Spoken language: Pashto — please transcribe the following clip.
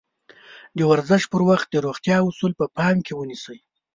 د ورزش پر وخت د روغتيا اَصول په پام کې ونيسئ.